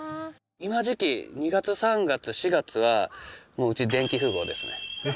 今時期２月３月４月はもううち電気富豪ですね。